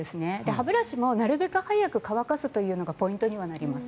歯ブラシもなるべく早く乾かすというのがポイントにはなります。